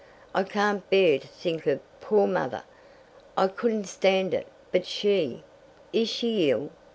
I can't bear to think of poor mother. I could stand it but she " "Is she ill?"